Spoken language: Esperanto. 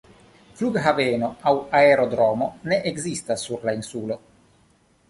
Flughaveno aŭ aerodromo ne ekzistas sur la insulo.